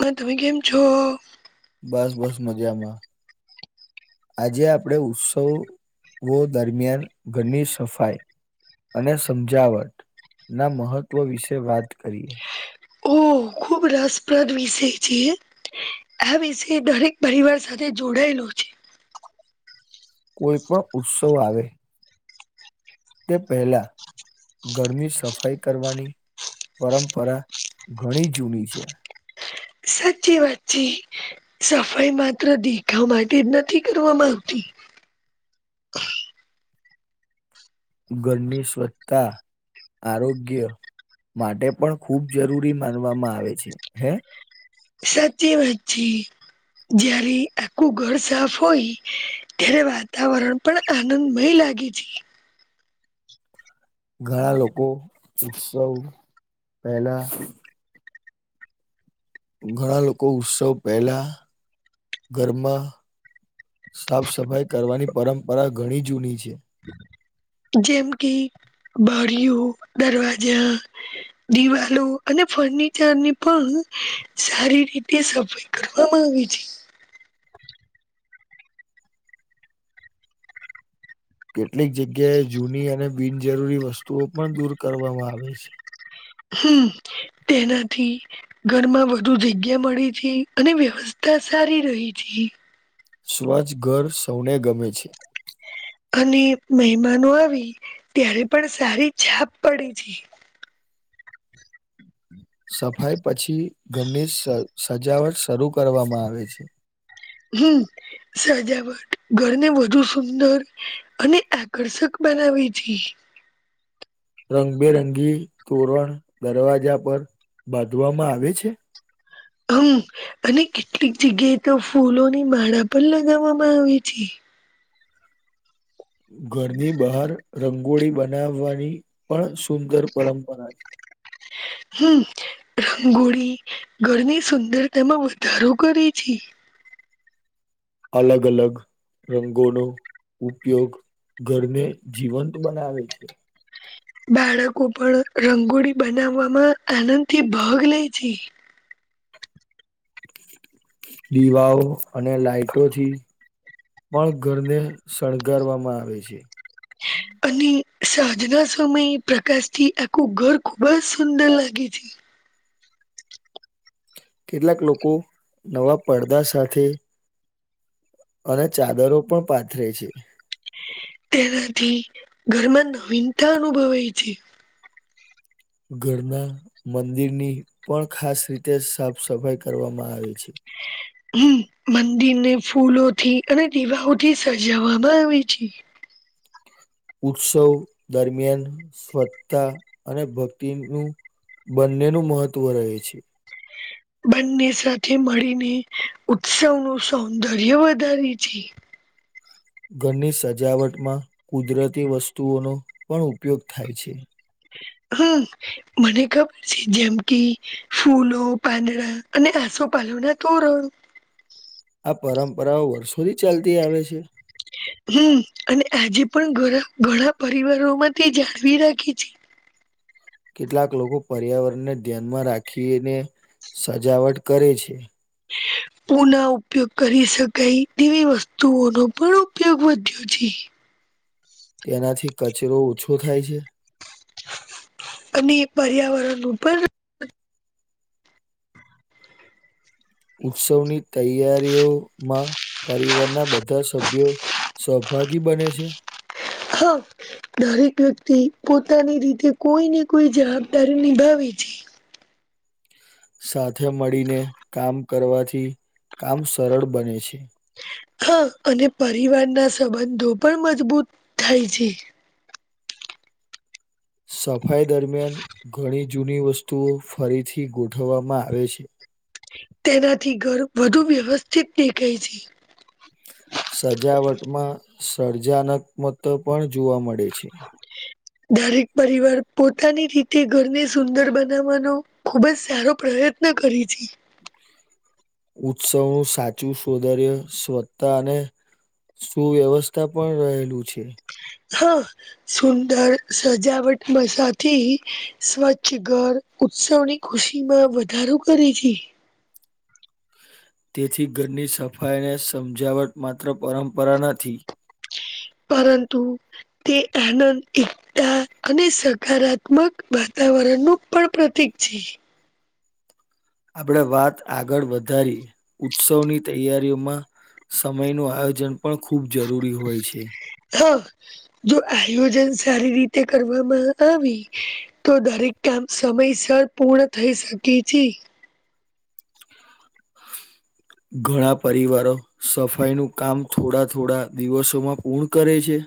હ તમે કેેમ છો? બસ બસ મજામાં. આજે આપણેે ઉત્સવ [unintelligible] દરમિયાન ઘરની સફાઈ અને સમજાવટ ના મહત્વ વિશે વાત કરીએ. ખૂબ રસપ્રદ વિષય છે. આ વિષ દરેક પરિવાર સાથે જોડાયેલો છે. કોઈ પણ ઉત્સવ આવે તે પહેલા ઘરની સફાઈ કરવાની પરંપરા ઘણી જૂની છે. સાચી વાતચી સફાઈ માત્ર દેખા માટે જ નથી કરવામાં આવતી. ઘરની સ્વત્તા આરોગ્ય માટે પણ ખૂબ જરૂરી માનવામાં આવે છે હે સાચી વાચી જય્યારે આખું ઘર સાફ હોય ત્યારે વાતાવરણ પણ આનંદમય લાગી છે. ઘણા લોકો ઉત્સવ પહેલા ઘણા લોકો ઉત્સવ પહેલા ઘરમાં સાફ સફાઈ કરવાની પરંપરા ઘણી જૂની છે. જેમ કે બરિ દરવાજા દિવાલો અને ફર્નિચરની પણ હું સારી રીતે સફાઈ કરવામાં આવી છે. કેટલીક જગ્યાએ જૂની અને બિનજરૂરી વસ્તુઓ પણ દૂર કરવામાં આવે છે. હમ્મ તેનાથી ઘરમાં વધુ જગ્યા મળી છે અને વ્યવસ્થા સારી રહી છે. સ્વ્છ ઘર સૌને ગમે છે. અને મહેમાનો આવી ત્યારે પણ સારી છાપ પડે છે. સફાઈ પછી ઘરની સજાવટ શરૂ કરવામાં આવે છે. હમ સજાવટ ઘરને વધુ સુંદર અને આકર્ષક બનાવે છે. રંગબેરંગી તોરણ દરવાજા પર બાંધવામાં આવે છે. હમ અને કેટલીક જગ્યાએ તો ફૂલોની માળા પણ લગાવામાં આવે છે. ઘરની બહાર રંગોળી બનાવવાની પણ સુંદર પરંપરા હમ રંગોળી ઘરની સુંદરતામાં વધારો કરે છે. અલગ અલગ રંગોનો ઉપયોગ ઘરને જીવંત બનાવે છે. બાળકો પણ રંગોળી બનાવવામાં આનંદ થી ભાગ લે છે. દીવાઓ અને લાાઈટોથી પણ ઘરને શણગારવામાં આવે છે. અને સાંજના સમયે પ્રકાશ થી આખું ઘર ખુબ જ સુંદર લાગે છે. કેટલાક લોકો નવા પડદા સાથે અને ચાદરો પણ પાથરે છે. તેનાથી ઘરમાં નવીનતા અનુભવાય છે. ઘરના મંદિરની પણ ખાસ રીતે સાફ સફાઈ કરવામાં આવે. [inaudible] હમ મંદિરને ફૂલોથી અને દીવાઓથી સજવામાં આવે છે. ઉત્સવ દરમિયાન સ્વછતા અને ભક્તિનું બંનેનું મહત્વ રહે છે. બંને સાથે મળીને ઉત્સવનું સૌંદર્ય વધારે છે. ઘરની સજાવટમાં કુદરતી વસ્તુઓનો પણ ઉપયોગ થાય છે. હમ મને ખબર છે જેમ કે ફૂલો પાંદડા અને આસોપાલવના તોરણ આ પરંપરાઓ વર્ષોથી ચાલતી આવે છે. હમ અને આજે પણ ઘ ઘણા પરિવારોમાંથી જાળવી રાખે કેટલાક લોકો પર્યાવરણને ધ્યાનમાં રાખીને સજાવટ કરે છે. [inaudible] પુના ઉપયોગ કરી શકાય તેવી વસ્તુઓનો પણ ઉપયોગ વધ્યો છે. તેનાથી કચરો ઓછો થાય છે. અને પર્યાવરણ ઉપર ઉત્સવની તૈયારીઓમાં પરિવારના બધા સભ્યો સહભાગી બને છે. હ દરેક વ્યક્તિ પોતાની રીતે કોઈ ને કોઈ જવાબદારી નિભાવે છે. સાથે મળીને કામ કરવાથી કામ સરળ બને છે. હા અને પરિવાર ના સંબંધો પણ મજબૂત થાય છે. સફાઈ દરમિયાન ઘણી જૂની વસ્તુઓ ફરીથી ગોઠવવામાં આવે. તેનાથી ઘર વધુ વ્યવસ્થિત દેખાય છે. સજાવટમાં સર્જનાત્મક જોવા મળે છે. દરેક પરિવાર પોતાની રીતે ઘરને સુંદર બનાવવાનો ખુબ જ સારો પ્રયત્ન કરે છે. ઉત્સવનું સાચું સૌદર્ય સ્વતા અને સુ વ્યવસ્થા પણ રહેલું છે. હા સુંદર સજાવટ મસાથી સ્વચ્છ ઘર ઉત્સવની ખુશી માં વધારો કરે છે. તેથી ઘરની સફાઈ ને સમજાવટ માત્ર પરંપરા નથી. પરંતંતુ તે એનંદ એક અને સકારાત્મક વાતાવરણ નું પણ પ્રતીિક છે આપણેે વાત આગળ વધારી ઉત્સવની તૈયારીઓમાં સમય ન આયોજન પણ ખૂબ જરૂરી હોય છે હા જો આયોજન સારી રીતે કરવામાં આવી તો દરેક કામ સમયસર પૂર્ણ થઈ શકે છે ઘણા પરિવારો સફાઈ નું કામ થોડા થોડા દિવસોમાં પૂર્ણ કરે છે?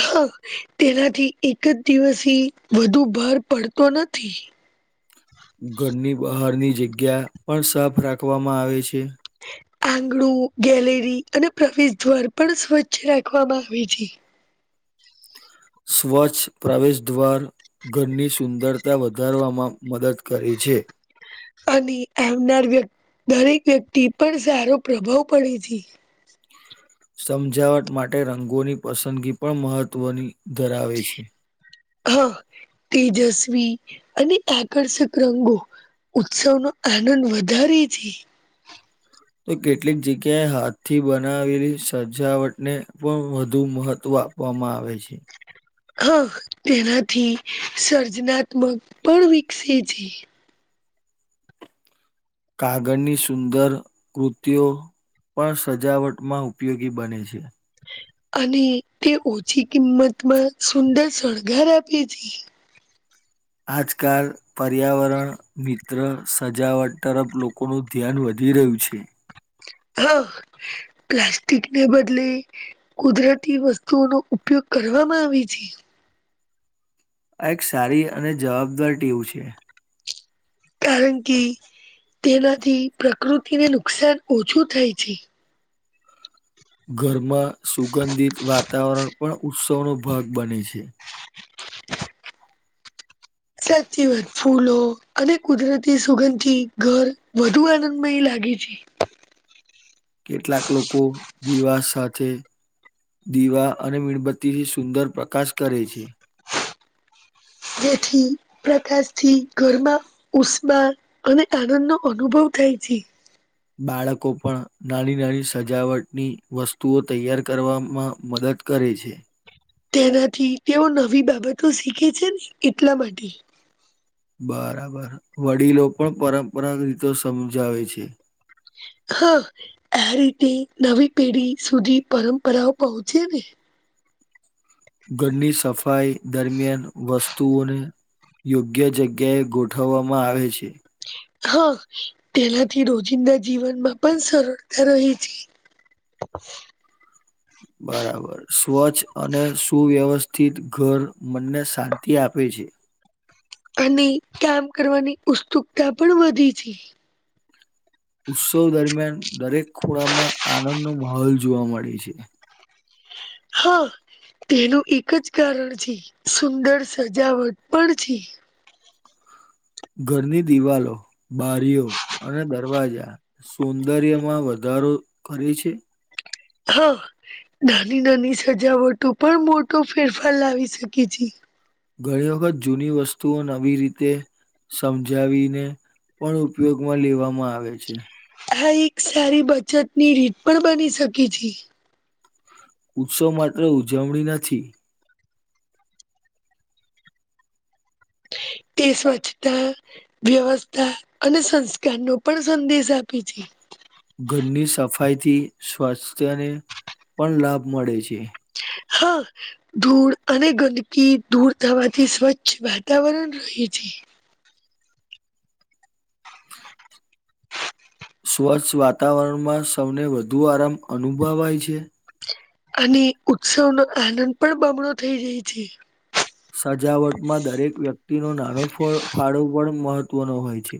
હા તેનાથી એક જ દિવસથી વધુ ભાર પડતો નથી ઘરની બહારની જગ્યા પણ સાફ રાખવામાં આવે છે આંગણું ગેલેરી અને પ્રવેશ દ્વાર પણ સ્વચ્છ રાખવામાં આવે છે. સ્વચ્છ પ્રવેશ દ્વાર. ઘરની સુંદરતા વધારવામાં મદદ કરે છે. અને આવનાર વ્ય દરેક વ્યક્તિ પણ સારો પ્રભાવ પડે છે. સમજાવટ માટે રંગોલી પસંદગી પણ મહત્વની ધરાવે છે. હા તેજસ્વી અને આકર્ષક રંગો ઉત્સવનો આનંદ વધારીથી તો કેટલીક જગ્યાએ હાથથી બનાવેલી સજાવટને પણ વધુ મહત્વ આપ આપવામાં આવે છે. હા તેનાથી સર્જનાત્મક પણ વિકસે છે. કાગળની સુંદર કૃતિઓ પણ સજાવટમાં ઉપયોગી બને છે. અને તે ઓછી કિંમતમાં સુંદર શણગાર આપે છે. આજકાલ પર્યાવરણ મિત્ર સજાવટ તરફ લોકોનું ધ્યાન વધી રહ્યું છે હ પ્લાસ્ટિકને બદલે કુદરતી વસ્તુઓનો ઉપયોગ કરવામાં આવે છે. આ એક સારી અને જવાબદાર ટીવું છે. કારણ કે તેનાથી પ્રકૃતિને નુકસાન ઓછું થાય છે. ઘરમાં સુગંધિત વાતાવરણ પણ ઉત્સવનો ભાગ બને છે. સાચી વાત ફૂલો અને કુદરતી સુગંધથી ઘર વધુ આનંદમય લાગે છે. કેટલાક લોકો દિવા સાથે દીવા અને મીણબત્તી થી સુંદર પ્રકાશ કરે છે. જેથી પ્રકાશથી ઘરમાં. ઉષ્મા અને આનંદ નો અનુભવ થાય છે. બાળકો પણ નાની નાની સજાવટની વસ્તુઓ તૈયાર કરવામાં મદદ કરે છે. તેનાથી તેઓ નવી બાબતો શીખે છે ને એટલા માટે. બરાબર વડીલો પણ પરંપરા રીતો સમજાવે છે. હા આ રીતે નવી પેઢી સુધી પરંપરાઓ પહોંચે ને. ઘરની સફાઈ દરમિયાન વસ્તુઓને યોગ્ય જગ્યાએ ગોઠવવામાં આવે છે. હા તેનાથી રોજિંદા જીવનમાં પણ સર સરળતા રહી છી. [inaudible] [inaudible] બરાબર સ્વચ્છ અને સુવ્યવસ્થિત ઘર મનને શાંતિ આપે છે. અને કામ કરવાની ઉત્સુકતા પણ વધી છે. ઉત્સવ દરમિયાન દરેક ખુણામાં આનંદનો માહોલ જોવા મળે છે. હા. તેનું એક જ કારણ છે સુંદર સજાવટ પણ છે. ઘરની દિવાલો બારીઓ અને દરવાજા સૌંદર્યમાં વધારો કરે છે? હા નાની નાની સજાવટો પણ મોટો ફેરફાર લાવી શકે છે. ઘણી વખત જૂની વસ્તુઓ નવી રીતે સમજાવીને પણ ઉપયોગમાં લેવામાં આવે છે. આ એક સારી બચતની રીત પણ બની શકી છે. ઉત્સવ માત્ર ઉજવણી નથી તે સ્વચ્છતા વ્યવસ્થા અને સંસ્કાર નો પણ સંદેશ આપે છે ઘરની સફાઈ થી સ્વાસ્થ્યને પણ લાભ મળે છે હા ધૂળ અને ગંદકી દૂર થવાથી સ્વચ્છ વાતાવરણ રહી છે કચ્છ વાતાવરણમાં સૌને વધુ આરામ અનુભવાય છે અને ઉત્સવ નો આનંદ પણ બમણો થઈ જાય છે સજાવટમાં દરેક વ્યક્તિ ન નાનો ફાળો પણ મહત્વનો હોય છે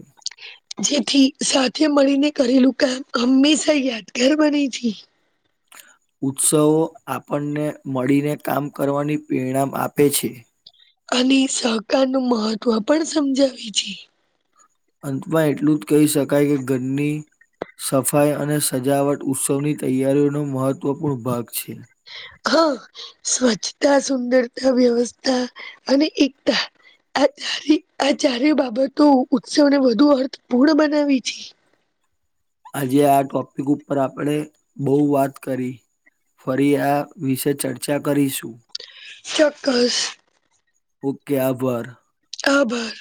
જેથી સાથે મળીને કરેલું કામ હંમેશા યાદગાર બને છે ઉત્સવો આપણને મળીને કામ કરવાની પરેણામ આપે છે અને સહકાર નું મહત્વ પણ સમજાવે છે અંતમાં એટલું જ કહી શકાય કે ઘરની સફાઈ અને સજાવટ ઉત્સવની તૈયારીઓનો મહત્વપૂર્ણ ભાગ છે હા સ્વચ્છતા સુંદરતા વ્યવસ્થા અને એકતા આ આ ચારે બાબતો ઉત્સવને વધુ અર્થપૂર્ણ બનાવી છે આજે આ ટોપિક ઉપર આપણે બઉ વાત કરી ફરી આ વિશે ચર્ચા કરીશું ચોક્કસ ઓકે આભર આભાર